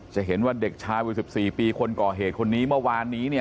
จะเห็นว่าเด็กชายวัย๑๔ปีคนก่อเหตุคนนี้เมื่อวานนี้เนี่ย